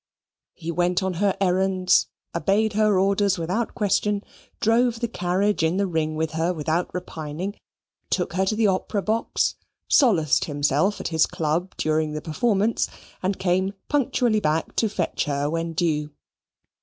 He went on her errands; obeyed her orders without question; drove in the carriage in the ring with her without repining; took her to the opera box, solaced himself at his club during the performance, and came punctually back to fetch her when due.